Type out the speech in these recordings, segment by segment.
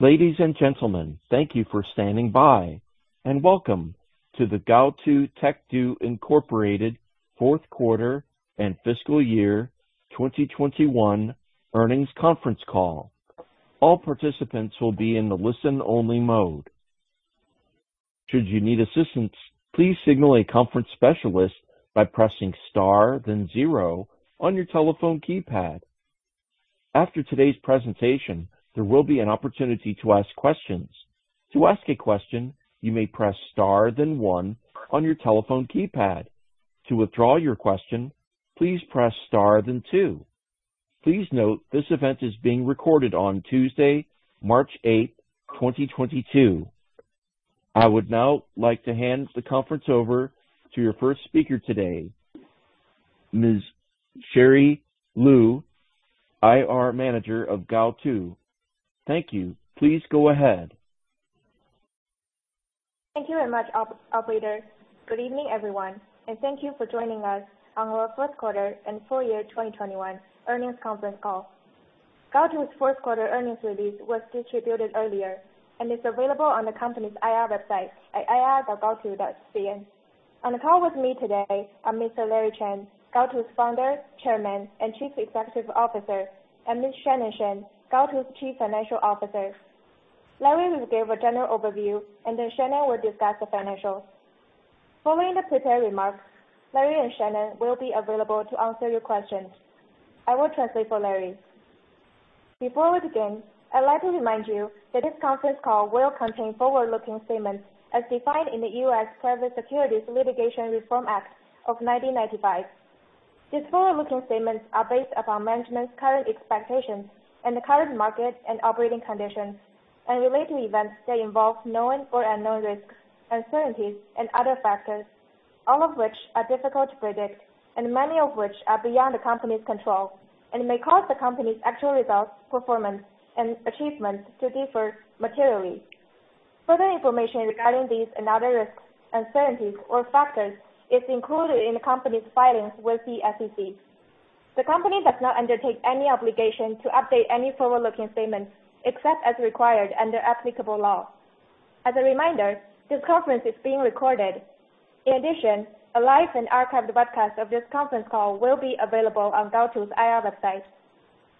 Ladies and gentlemen, thank you for standing by, and welcome to the Gaotu Techedu Incorporated fourth quarter and fiscal year 2021 earnings conference call. All participants will be in the listen only mode. Should you need assistance, please signal a conference specialist by pressing star then zero on your telephone keypad. After today's presentation, there will be an opportunity to ask questions. To ask a question, you may press star then one on your telephone keypad. To withdraw your question, please press star then two. Please note this event is being recorded on Tuesday, March 8th, 2022. I would now like to hand the conference over to your first speaker today, Ms. Sherry Liu, IR Manager of Gaotu. Thank you. Please go ahead. Thank you very much, operator. Good evening, everyone, and thank you for joining us on our fourth quarter and full year 2021 earnings conference call. Gaotu's fourth quarter earnings release was distributed earlier and is available on the company's IR website at ir.gaotu.cn. On the call with me today are Mr. Larry Chen, Gaotu's Founder, Chairman, and Chief Executive Officer, and Ms. Shannon Shen, Gaotu's Chief Financial Officer. Larry will give a general overview, and then Shannon will discuss the financials. Following the prepared remarks, Larry and Shannon will be available to answer your questions. I will translate for Larry. Before we begin, I'd like to remind you that this conference call will contain forward-looking statements as defined in the US Private Securities Litigation Reform Act of 1995. These forward-looking statements are based upon management's current expectations and the current market and operating conditions and relate to events that involve known or unknown risks, uncertainties, and other factors, all of which are difficult to predict, and many of which are beyond the company's control, and may cause the company's actual results, performance, and achievements to differ materially. Further information regarding these and other risks, uncertainties, or factors is included in the company's filings with the SEC. The company does not undertake any obligation to update any forward-looking statements, except as required under applicable law. As a reminder, this conference is being recorded. In addition, a live and archived broadcast of this conference call will be available on Gaotu's IR website.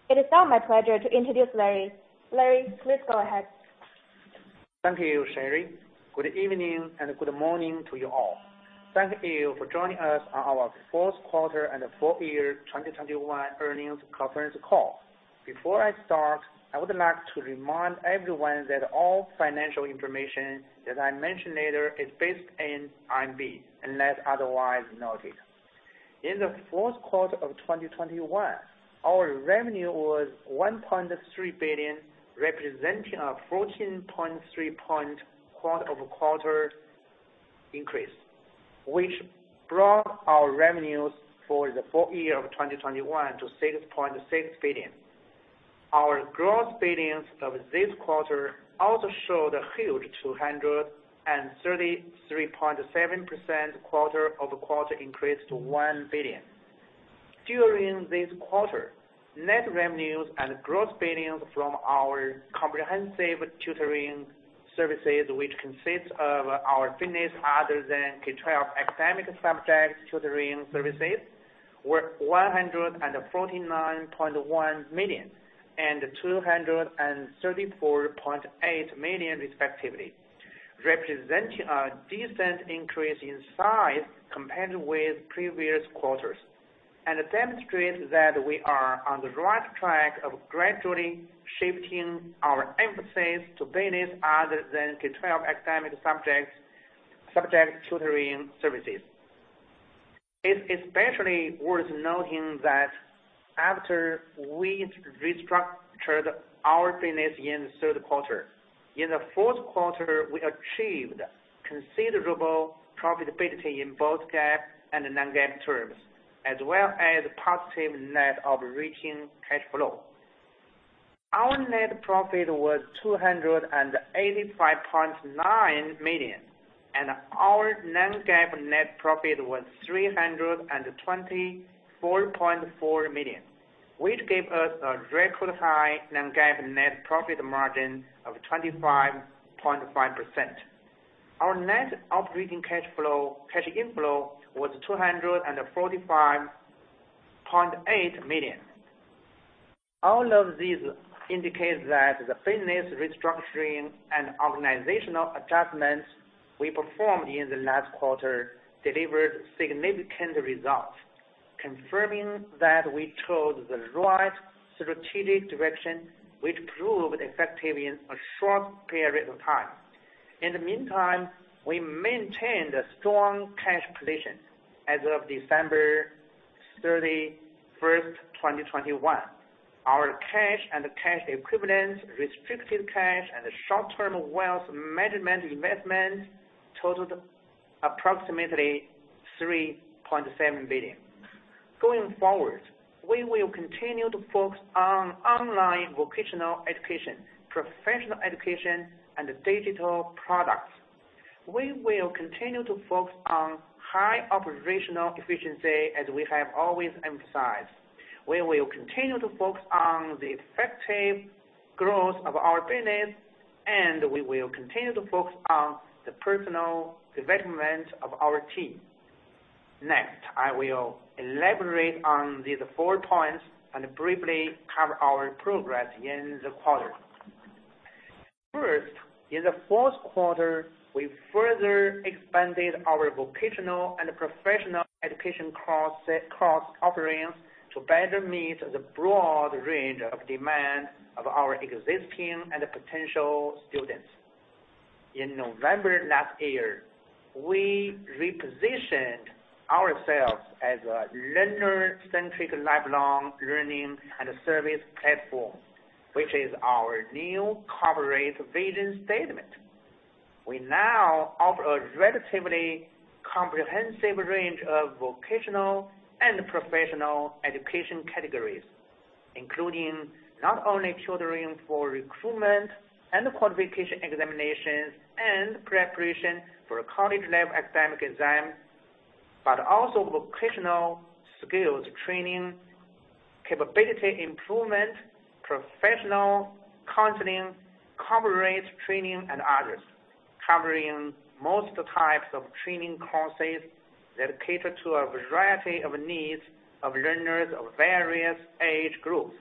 It is now my pleasure to introduce Larry. Larry, please go ahead. Thank you, Sherry. Good evening, and good morning to you all. Thank you for joining us on our fourth quarter and full year 2021 earnings conference call. Before I start, I would like to remind everyone that all financial information that I mention later is based in RMB unless otherwise noted. In the fourth quarter of 2021, our revenue was 1.3 billion, representing a 14.3% quarter-over-quarter increase, which brought our revenues for the full year of 2021 to 6.6 billion. Our gross billings of this quarter also showed a huge 233.7% quarter-over-quarter increase to 1 billion. During this quarter, net revenues and gross billings from our comprehensive tutoring services, which consists of our business other than K-12 academic subjects tutoring services, were 149.1 million and 234.8 million respectively, representing a decent increase in size compared with previous quarters. It demonstrates that we are on the right track of gradually shifting our emphasis to business other than K-12 academic subjects, subject tutoring services. It's especially worth noting that after we restructured our business in the third quarter, in the fourth quarter, we achieved considerable profitability in both GAAP and non-GAAP terms, as well as positive net operating cash flow. Our net profit was 285.9 million, and our non-GAAP net profit was 324.4 million, which gave us a record high non-GAAP net profit margin of 25.5%. Our net operating cash flow, cash inflow was 245.8 million. All of these indicate that the business restructuring and organizational adjustments we performed in the last quarter delivered significant results, confirming that we chose the right strategic direction, which proved effective in a short period of time. In the meantime, we maintained a strong cash position. As of December 31, 2021, our cash and cash equivalents, restricted cash, and short-term wealth management investments totaled approximately 3.7 billion. Going forward, we will continue to focus on online vocational education, professional education, and digital products. We will continue to focus on high operational efficiency as we have always emphasized. We will continue to focus on the effective growth of our business, and we will continue to focus on the personal development of our team. Next, I will elaborate on these four points and briefly cover our progress in the quarter. First, in the fourth quarter, we further expanded our vocational and professional education course offerings to better meet the broad range of demand of our existing and potential students. In November last year, we repositioned ourselves as a learner-centric lifelong learning and service platform, which is our new corporate vision statement. We now offer a relatively comprehensive range of vocational and professional education categories, including not only tutoring for recruitment and qualification examinations and preparation for a college-level academic exam, but also vocational skills training, capability improvement, professional counseling, corporate training, and others, covering most types of training courses that cater to a variety of needs of learners of various age groups,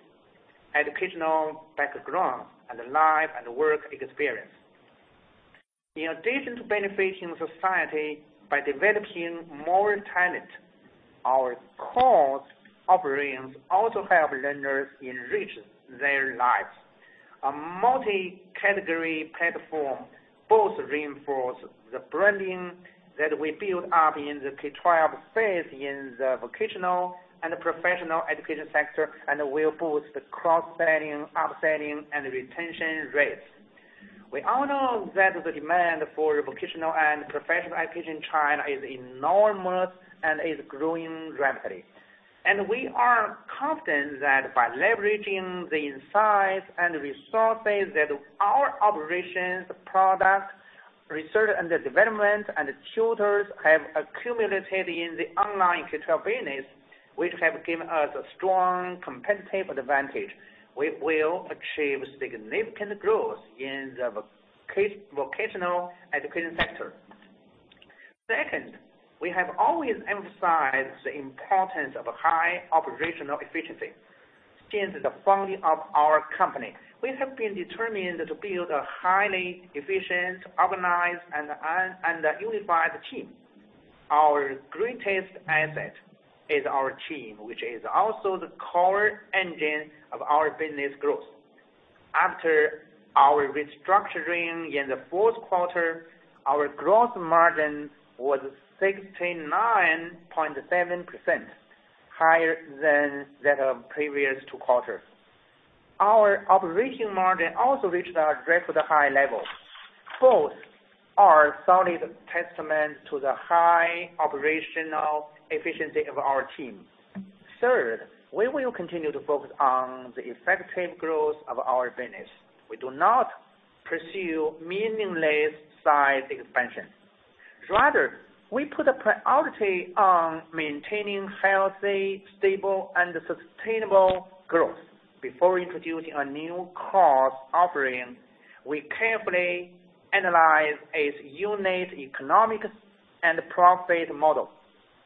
educational backgrounds, and life and work experience. In addition to benefiting society by developing more talent, our course offerings also help learners enrich their lives. A multi-category platform both reinforces the branding that we build up in the K-12 space in the vocational and professional education sector and will boost the cross-selling, upselling, and retention rates. We all know that the demand for vocational and professional education in China is enormous and is growing rapidly. We are confident that by leveraging the insights and resources that our operations, product, research and development, and tutors have accumulated in the online K-12 business, which have given us a strong competitive advantage, we will achieve significant growth in the vocational education sector. Second, we have always emphasized the importance of high operational efficiency. Since the founding of our company, we have been determined to build a highly efficient, organized, and unified team. Our greatest asset is our team, which is also the core engine of our business growth. After our restructuring in the fourth quarter, our gross margin was 69.7%, higher than that of previous two quarters. Our operating margin also reached a record high level. Both are solid testament to the high operational efficiency of our team. Third, we will continue to focus on the effective growth of our business. We do not pursue meaningless size expansion. Rather, we put a priority on maintaining healthy, stable, and sustainable growth. Before introducing a new course offering, we carefully analyze its unit economics and profit model.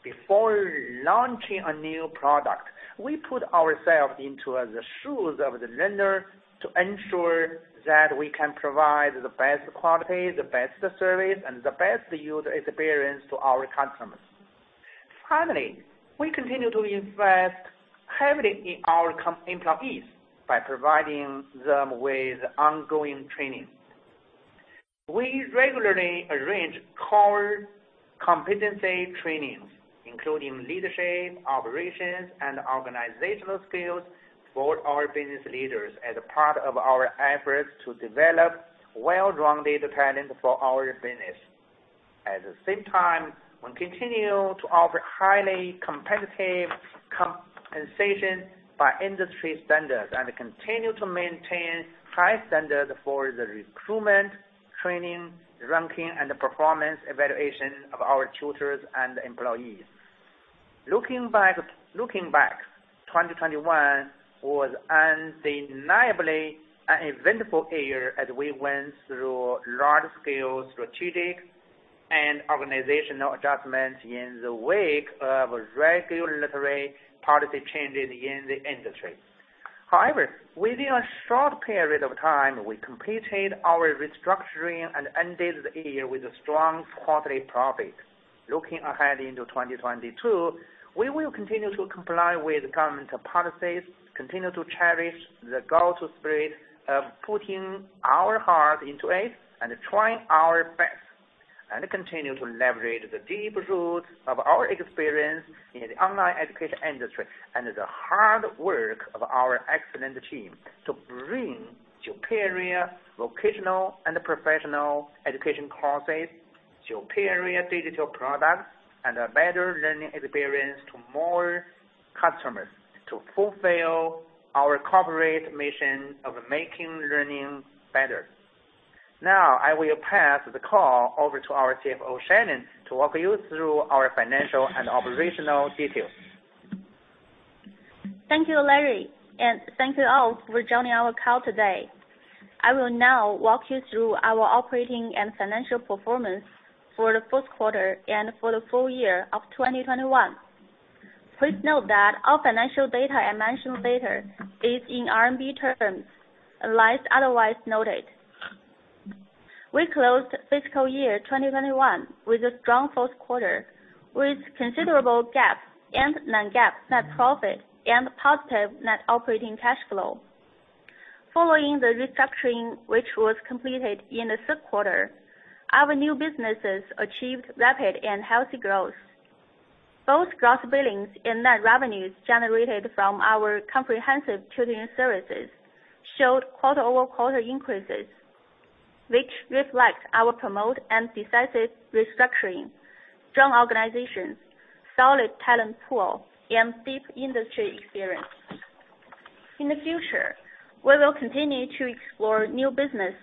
Before launching a new product, we put ourselves into the shoes of the learner to ensure that we can provide the best quality, the best service, and the best user experience to our customers. Finally, we continue to invest heavily in our employees by providing them with ongoing training. We regularly arrange core competency trainings, including leadership, operations, and organizational skills for our business leaders as a part of our efforts to develop well-rounded talent for our business. At the same time, we continue to offer highly competitive compensation by industry standards and continue to maintain high standards for the recruitment, training, ranking, and performance evaluation of our tutors and employees. Looking back, 2021 was undeniably an eventful year as we went through large-scale strategic and organizational adjustments in the wake of regulatory policy changes in the industry. However, within a short period of time, we completed our restructuring and ended the year with a strong quarterly profit. Looking ahead into 2022, we will continue to comply with governmental policies, continue to cherish the Gaotu spirit of putting our heart into it and trying our best, and continue to leverage the deep roots of our experience in the online education industry and the hard work of our excellent team to bring superior vocational and professional education courses, superior digital products, and a better learning experience to more customers to fulfill our corporate mission of making learning better. Now, I will pass the call over to our CFO, Shannon, to walk you through our financial and operational details. Thank you, Larry, and thank you all for joining our call today. I will now walk you through our operating and financial performance for the fourth quarter and for the full year of 2021. Please note that all financial data I mention later is in RMB terms, unless otherwise noted. We closed fiscal year 2021 with a strong fourth quarter, with considerable GAAP and non-GAAP net profit and positive net operating cash flow. Following the restructuring which was completed in the third quarter, our new businesses achieved rapid and healthy growth. Both gross billings and net revenues generated from our comprehensive tutoring services showed quarter-over-quarter increases, which reflects our prompt and decisive restructuring, strong organization, solid talent pool, and deep industry experience. In the future, we will continue to explore new business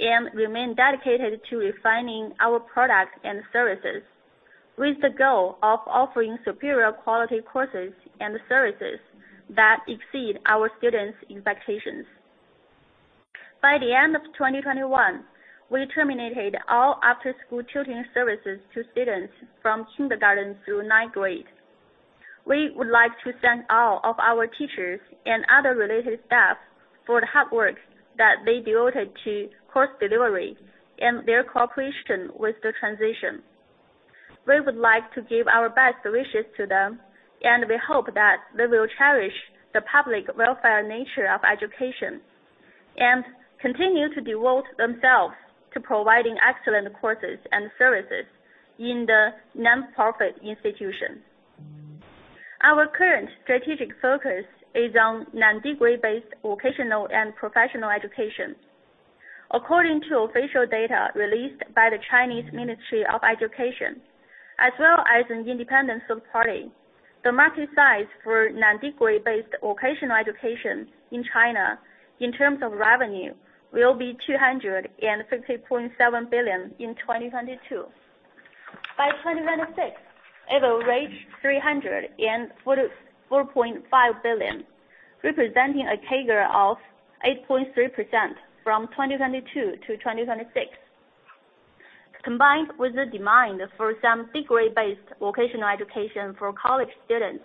and remain dedicated to refining our products and services with the goal of offering superior quality courses and services that exceed our students' expectations. By the end of 2021, we terminated all after-school tutoring services to students from kindergarten through ninth grade. We would like to thank all of our teachers and other related staff for the hard work that they devoted to course delivery and their cooperation with the transition. We would like to give our best wishes to them, and we hope that they will cherish the public welfare nature of education, and continue to devote themselves to providing excellent courses and services in the nonprofit institution. Our current strategic focus is on non-degree-based vocational and professional education. According to official data released by the Chinese Ministry of Education, as well as an independent third party, the market size for non-degree-based vocational education in China in terms of revenue will be 250.7 billion in 2022. By 2026, it will reach 344.5 billion, representing a CAGR of 8.3% from 2022 to 2026. Combined with the demand for some degree-based vocational education for college students,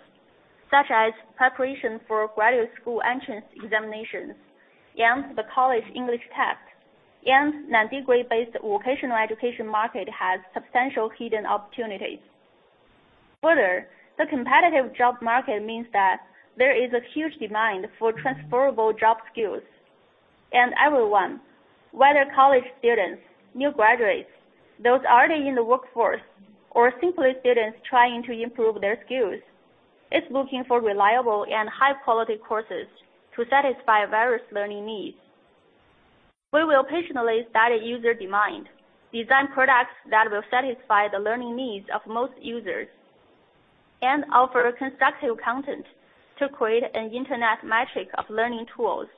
such as preparation for graduate school entrance examinations and the College English Test, and non-degree-based vocational education market has substantial hidden opportunities. Further, the competitive job market means that there is a huge demand for transferable job skills. Everyone, whether college students, new graduates, those already in the workforce, or simply students trying to improve their skills, is looking for reliable and high-quality courses to satisfy various learning needs. We will patiently study user demand, design products that will satisfy the learning needs of most users, and offer constructive content to create an internet matrix of learning tools,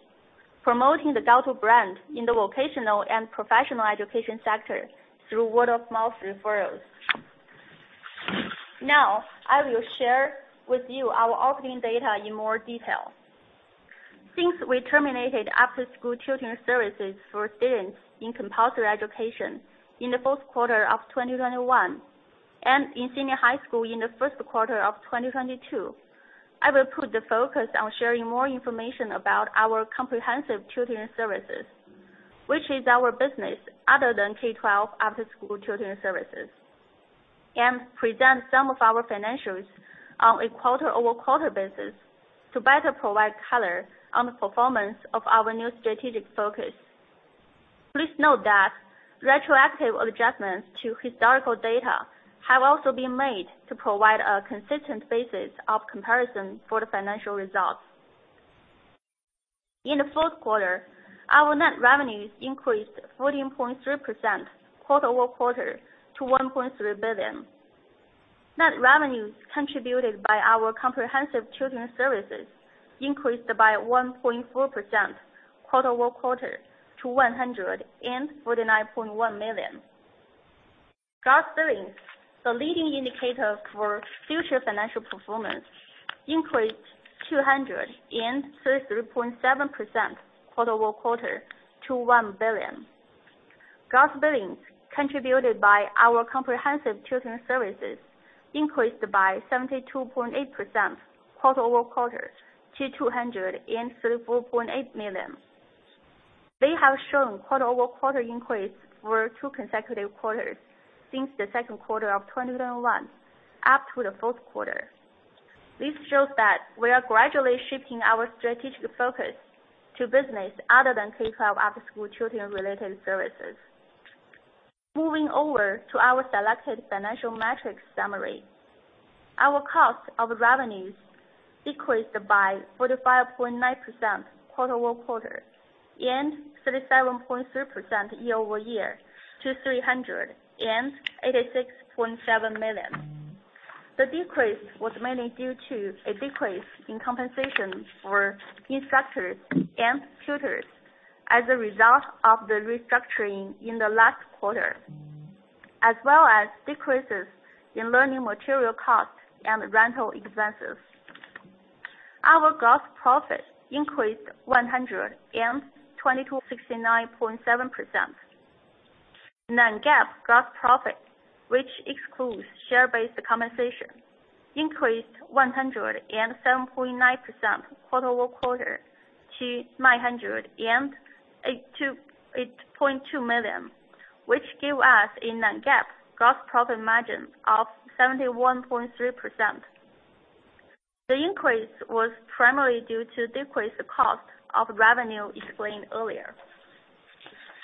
promoting the Gaotu brand in the vocational and professional education sector through word-of-mouth referrals. Now, I will share with you our operating data in more detail. Since we terminated after-school tutoring services for students in compulsory education in the fourth quarter of 2021 and in senior high school in the first quarter of 2022, I will put the focus on sharing more information about our comprehensive tutoring services. Which is our business other than K-12 after-school tutoring services, and present some of our financials on a quarter-over-quarter basis to better provide color on the performance of our new strategic focus. Please note that retroactive adjustments to historical data have also been made to provide a consistent basis of comparison for the financial results. In the fourth quarter, our net revenues increased 14.3% quarter-over-quarter to 1.3 billion. Net revenues contributed by our comprehensive tutoring services increased by 1.4% quarter-over-quarter to 149.1 million. Gross billings, the leading indicator for future financial performance, increased 233.7% quarter-over-quarter to 1 billion. Gross billings contributed by our comprehensive tutoring services increased by 72.8% quarter-over-quarter to CNY 234.8 million. They have shown quarter-over-quarter increase for 2 consecutive quarters since the second quarter of 2021 up to the fourth quarter. This shows that we are gradually shifting our strategic focus to business other than K-12 after-school tutoring-related services. Moving over to our selected financial metrics summary. Our cost of revenues decreased by 45.9% quarter-over-quarter and 37.3% year-over-year to 386.7 million. The decrease was mainly due to a decrease in compensation for instructors and tutors as a result of the restructuring in the last quarter, as well as decreases in learning material costs and rental expenses. Our gross profit increased 120% to 69.7%. Non-GAAP gross profit, which excludes share-based compensation, increased 107.9% quarter-over-quarter to 982.8 million, which give us a non-GAAP gross profit margin of 71.3%. The increase was primarily due to decreased cost of revenue explained earlier.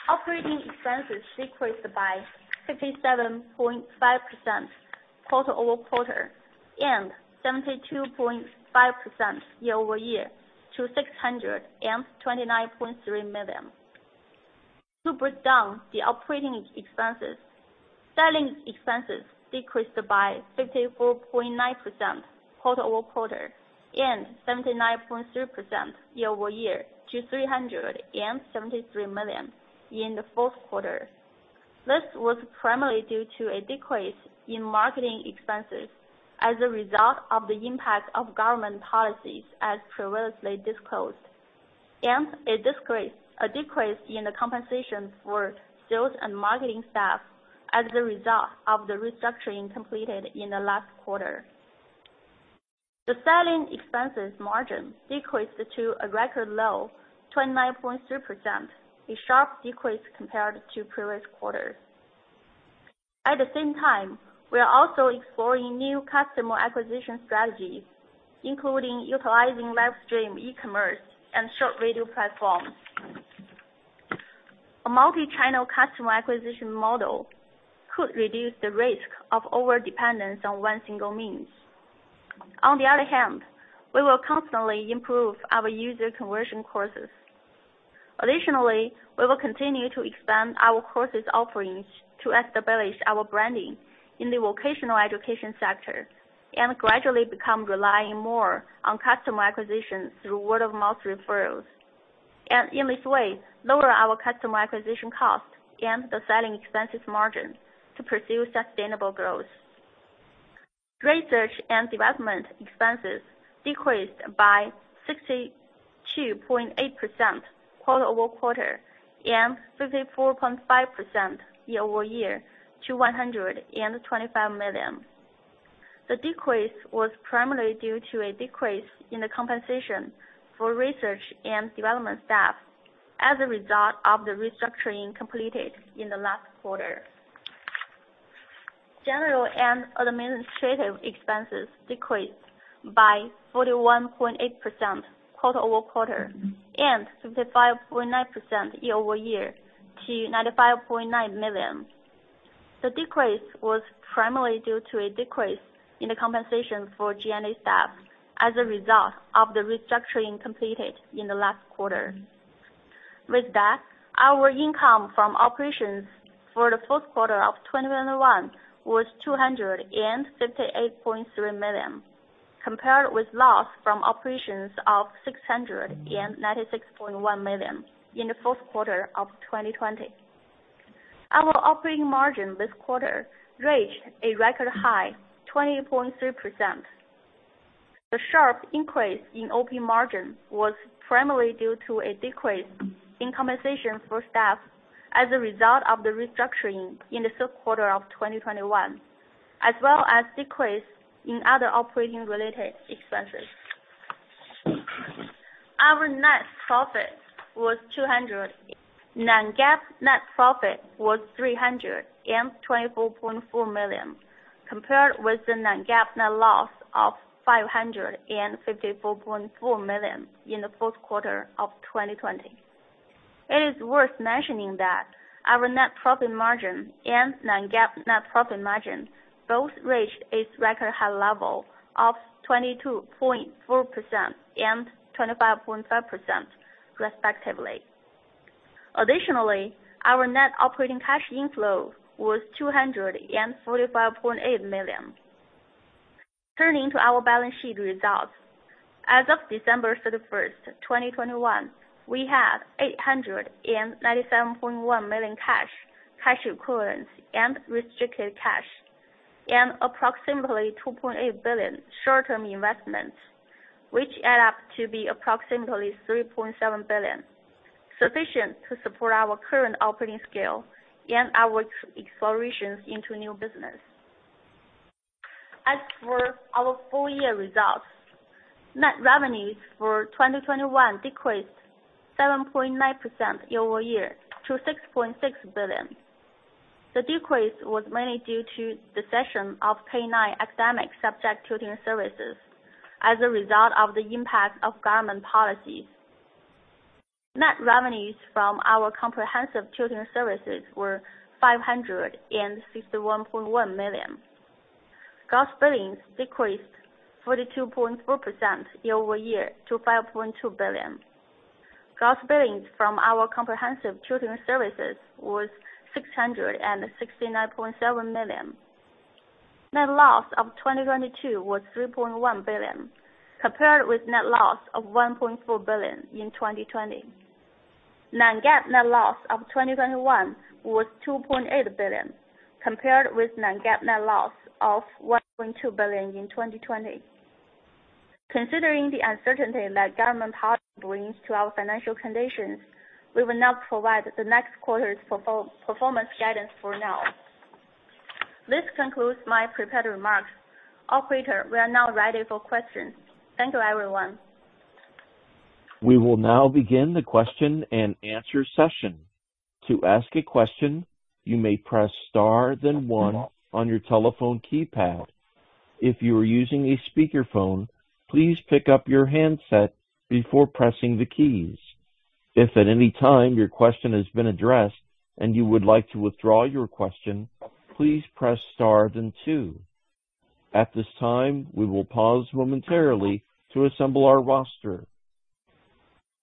Operating expenses decreased by 57.5% quarter-over-quarter, and 72.5% year-over-year to 629.3 million. To break down the operating expenses, selling expenses decreased by 54.9% quarter-over-quarter, and 79.3% year-over-year to 373 million in the fourth quarter. This was primarily due to a decrease in marketing expenses as a result of the impact of government policies as previously disclosed, and a decrease in the compensation for sales and marketing staff as a result of the restructuring completed in the last quarter. The selling expenses margin decreased to a record low 29.3%, a sharp decrease compared to previous quarters. At the same time, we are also exploring new customer acquisition strategies, including utilizing live stream e-commerce and short video platforms. A multi-channel customer acquisition model could reduce the risk of overdependence on one single means. On the other hand, we will constantly improve our user conversion courses. Additionally, we will continue to expand our courses offerings to establish our branding in the vocational education sector, and gradually become relying more on customer acquisition through word of mouth referrals. In this way, lower our customer acquisition costs and the selling expenses margin to pursue sustainable growth. Research and development expenses decreased by 62.8% quarter-over-quarter, and 54.5% year-over-year to 125 million. The decrease was primarily due to a decrease in the compensation for research and development staff as a result of the restructuring completed in the last quarter. General and administrative expenses decreased by 41.8% quarter-over-quarter, and 55.9% year-over-year to 95.9 million. The decrease was primarily due to a decrease in the compensation for G&A staff as a result of the restructuring completed in the last quarter. With that, our income from operations for the fourth quarter of 2021 was 258.3 million, compared with loss from operations of 696.1 million in the fourth quarter of 2020. Our operating margin this quarter reached a record high 20.3%. The sharp increase in OP margin was primarily due to a decrease in compensation for staff as a result of the restructuring in the third quarter of 2021, as well as decrease in other operating related expenses. Our net profit was 200 million. Non-GAAP net profit was 324.4 million, compared with the non-GAAP net loss of 554.4 million in the fourth quarter of 2020. It is worth mentioning that our net profit margin and non-GAAP net profit margin both reached a record high level of 22.4% and 25.5% respectively. Additionally, our net operating cash inflow was 245.8 million. Turning to our balance sheet results. As of December 31, 2021, we had 897.1 million in cash equivalents and restricted cash, and approximately 2.8 billion in short-term investments, which add up to approximately 3.7 billion, sufficient to support our current operating scale and our explorations into new business. As for our full year results, net revenues for 2021 decreased 7.9% year-over-year to 6.6 billion. The decrease was mainly due to the cessation of K-9 academic subject tutoring services as a result of the impact of government policies. Net revenues from our comprehensive tutoring services were 561.1 million. Gross billings decreased 42.4% year-over-year to 5.2 billion. Gross billings from our comprehensive tutoring services was 669.7 million. Net loss of 2022 was 3.1 billion, compared with net loss of 1.4 billion in 2020. Non-GAAP net loss of 2021 was 2.8 billion, compared with non-GAAP net loss of 1.2 billion in 2020. Considering the uncertainty that government policy brings to our financial conditions, we will not provide the next quarter's performance guidance for now. This concludes my prepared remarks. Operator, we are now ready for questions. Thank you, everyone. We will now begin the question and answer session. To ask a question, you may press star then one on your telephone keypad. If you are using a speakerphone, please pick up your handset before pressing the keys. If at any time your question has been addressed and you would like to withdraw your question, please press star then two. At this time, we will pause momentarily to assemble our roster.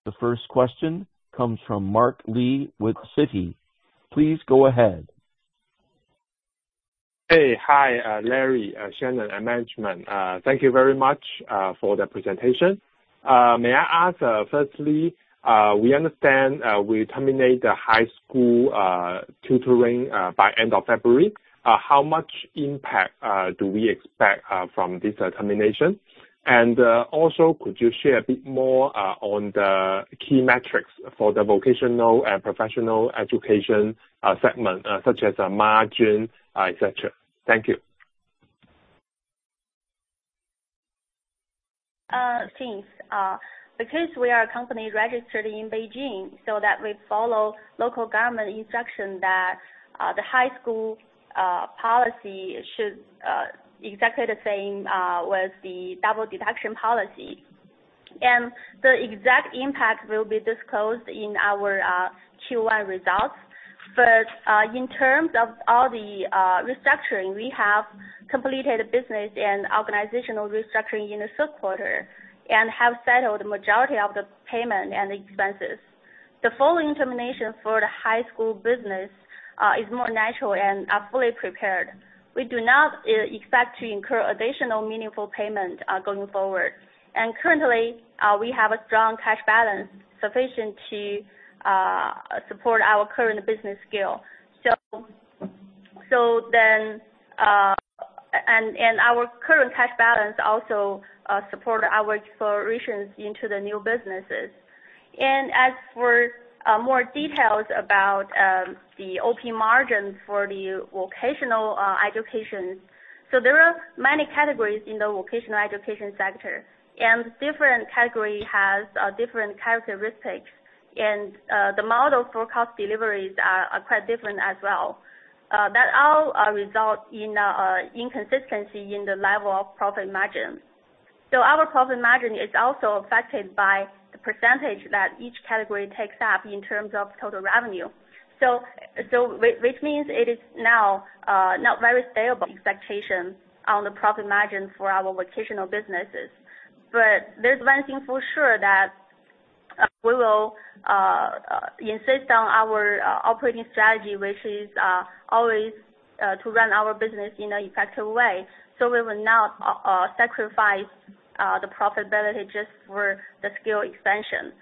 The first question comes from Mark Li with Citi. Please go ahead. Hey. Hi, Larry, Shannon and management. Thank you very much for the presentation. May I ask, firstly, we understand we terminate the high school tutoring by end of February. How much impact do we expect from this termination? Also could you share a bit more on the key metrics for the vocational and professional education segment, such as margin, et cetera? Thank you. Thanks. Because we are a company registered in Beijing, we follow local government instruction that the high school policy should be exactly the same with the double reduction policy. The exact impact will be disclosed in our Q1 results. In terms of all the restructuring, we have completed the business and organizational restructuring in the third quarter and have settled the majority of the payment and expenses. The full termination for the high school business is more natural and we are fully prepared. We do not expect to incur additional meaningful payment going forward. Currently, we have a strong cash balance sufficient to support our current business scale. Our current cash balance also support our explorations into the new businesses. As for more details about the OP margin for the vocational education. There are many categories in the vocational education sector, and different category has different characteristics. The model for cost deliveries are quite different as well. That all result in a inconsistency in the level of profit margin. Our profit margin is also affected by the percentage that each category takes up in terms of total revenue. Which means it is now not very stable expectation on the profit margin for our vocational businesses. There's one thing for sure that we will insist on our operating strategy, which is always to run our business in a effective way. We will not sacrifice the profitability just for the scale expansion.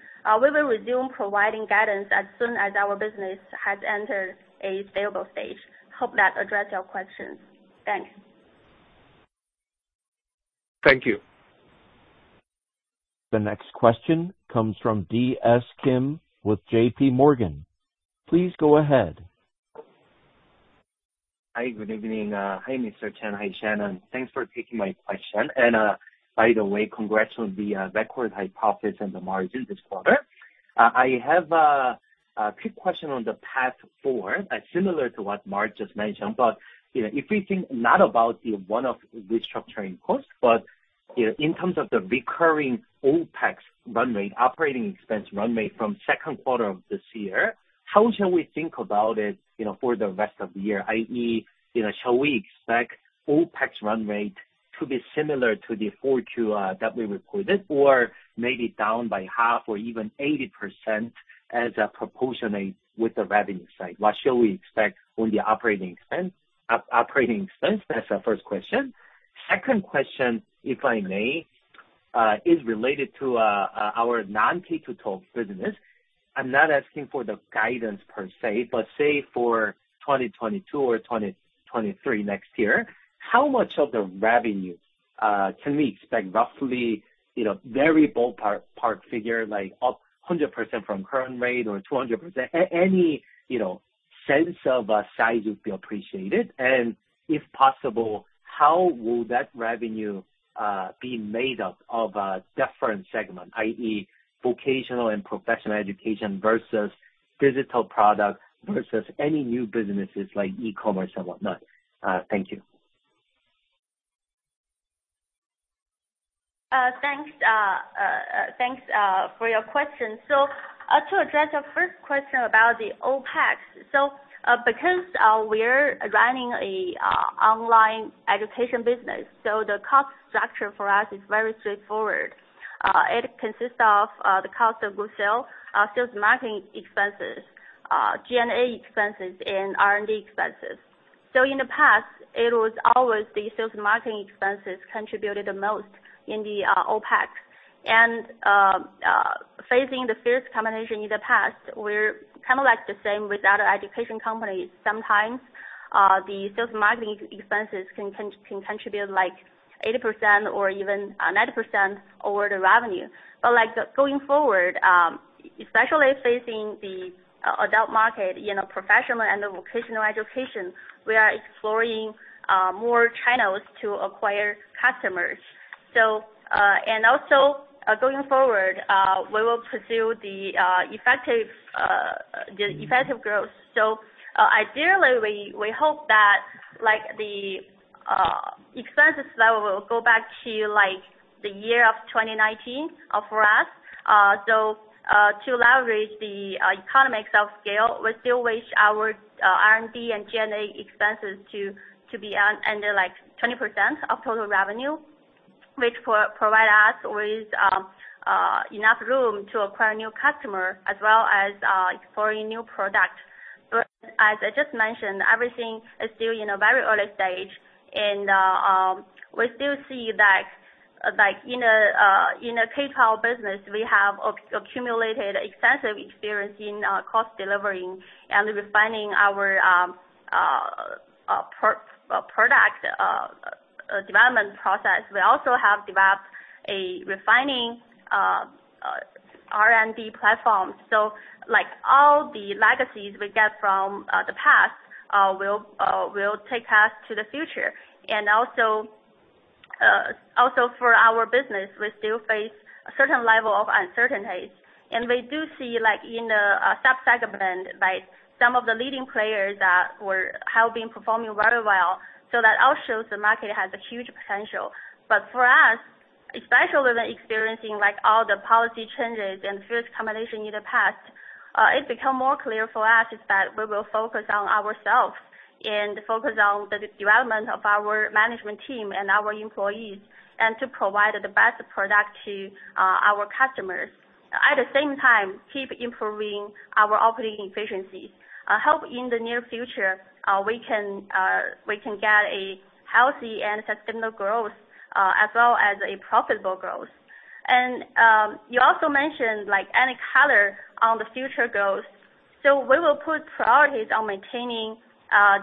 We will resume providing guidance as soon as our business has entered a stable stage. Hope that addressed your question. Thanks. Thank you. The next question comes from DS Kim with J.P. Morgan. Please go ahead. Hi, good evening. Hi, Mr. Chen. Hi, Shannon. Thanks for taking my question. By the way, congrats on the record high profits and the margin this quarter. I have a quick question on the path forward, similar to what Mark just mentioned. You know, if we think not about the one-off restructuring cost, but you know, in terms of the recurring OPEX run rate, operating expense run rate from second quarter of this year, how shall we think about it, you know, for the rest of the year? I.e., you know, shall we expect OPEX run rate to be similar to the Q4 that we reported or maybe down by half or even 80% as a proportionate with the revenue side? What shall we expect on the operating expense? That's the first question. Second question, if I may, is related to our non-K-12 business. I'm not asking for the guidance per se, but say for 2022 or 2023 next year, how much of the revenue can we expect roughly, you know, very ballpark figure, like up 100% from current rate or 200%? Any, you know, sense of size would be appreciated. If possible, how will that revenue be made up of a different segment, i.e., vocational and professional education versus digital product versus any new businesses like e-commerce and whatnot? Thank you. Thanks for your question. To address your first question about the OPEX. Because we're running an online education business, the cost structure for us is very straightforward. It consists of the cost of goods sold, sales marketing expenses, G&A expenses, and R&D expenses. In the past, it was always the sales marketing expenses contributed the most in the OPEX. Facing the fierce competition in the past, we're kinda like the same with other education companies. Sometimes, the sales marketing expenses can contribute like 80% or even 90% over the revenue. Like, going forward, especially facing the adult market, you know, professional and vocational education, we are exploring more channels to acquire customers. Going forward, we will pursue the effective growth. Ideally we hope that like the expenses level will go back to, like, the year of 2019, for us. To leverage the economies of scale, we still wish our R&D and G&A expenses to be under like 20% of total revenue, which provide us with enough room to acquire new customer as well as exploring new product. But as I just mentioned, everything is still in a very early stage and we still see that like in a K12 business, we have accumulated extensive experience in cost delivery and refining our product development process. We also have developed a refining R&D platform. Like all the legacies we get from the past will take us to the future. Also for our business, we still face a certain level of uncertainties. We do see, like in the sub-segment, like some of the leading players that have been performing very well. That all shows the market has a huge potential. For us, especially when experiencing like all the policy changes and fierce competition in the past, it become more clear for us is that we will focus on ourselves and focus on the development of our management team and our employees, and to provide the best product to our customers, at the same time keep improving our operating efficiency. I hope in the near future, we can get a healthy and sustainable growth, as well as a profitable growth. You also mentioned like any color on the future growth. We will put priorities on maintaining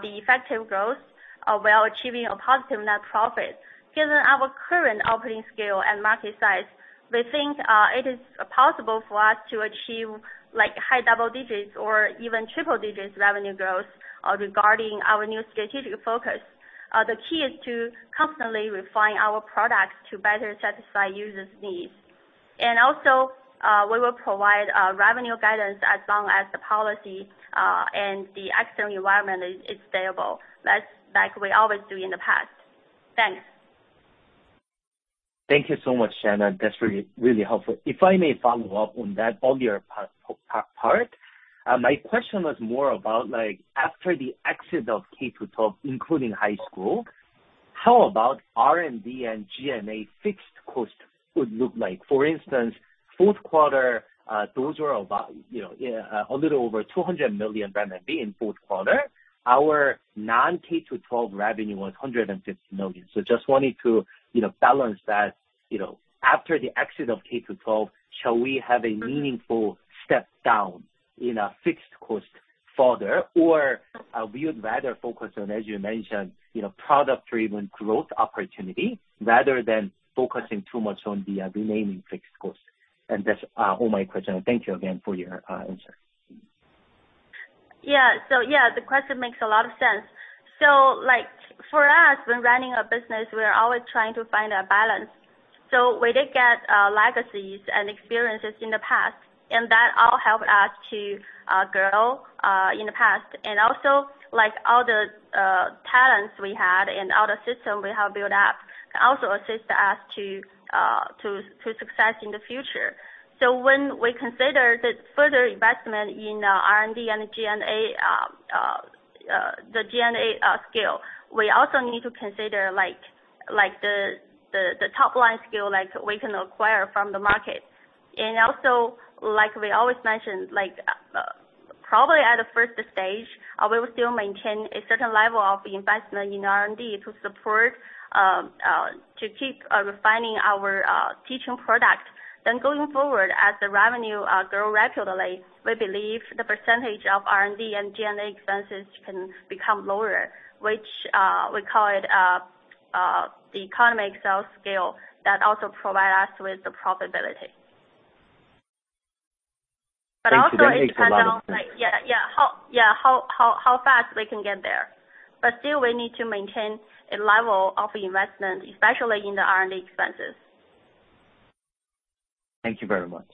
the effective growth, while achieving a positive net profit. Given our current operating scale and market size, we think it is possible for us to achieve like high double digits or even triple digits revenue growth, regarding our new strategic focus. The key is to constantly refine our products to better satisfy users' needs. Also, we will provide revenue guidance as long as the policy and the external environment is stable, that's like we always do in the past. Thanks. Thank you so much, Shannon. That's really, really helpful. If I may follow up on that earlier part. My question was more about like, after the exit of K-12, including high school, how about R&D and G&A fixed cost would look like? For instance, fourth quarter, those were about, you know, a little over 200 million RMB in fourth quarter. Our non-K-12 revenue was 150 million. So just wanted to, you know, balance that, you know. After the exit of K-12, shall we have a meaningful step down in a fixed cost further? Or, we would rather focus on, as you mentioned, you know, product-driven growth opportunity rather than focusing too much on the, remaining fixed cost. That's all my question. Thank you again for your answer. Yeah. Yeah, the question makes a lot of sense. Like for us, when running a business, we are always trying to find a balance. We did get legacies and experiences in the past, and that all helped us to grow in the past. Like all the talents we had and all the system we have built up can also assist us to success in the future. When we consider the further investment in R&D and G&A, the G&A scale, we also need to consider like the top line scale like we can acquire from the market. Also, like we always mentioned, like, probably at the first stage, we will still maintain a certain level of investment in R&D to support, to keep refining our teaching product. Going forward, as the revenue grow regularly, we believe the percentage of R&D and G&A expenses can become lower, which we call it the economies of scale that also provide us with the profitability. Thank you very much. Also it depends on like how fast we can get there. Still we need to maintain a level of investment, especially in the R&D expenses. Thank you very much.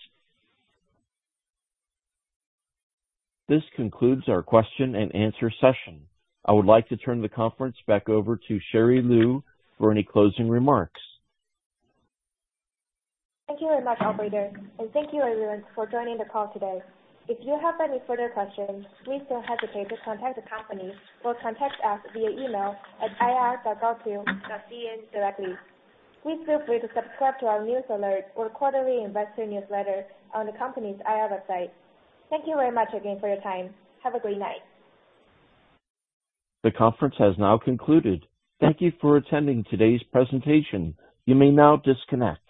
This concludes our question and answer session. I would like to turn the conference back over to Sherry Liu for any closing remarks. Thank you very much, operator. Thank you everyone for joining the call today. If you have any further questions, please don't hesitate to contact the company or contact us via email at ir.gaotu.cn directly. Please feel free to subscribe to our news alert or quarterly investor newsletter on the company's IR website. Thank you very much again for your time. Have a great night. The conference has now concluded. Thank you for attending today's presentation. You may now disconnect.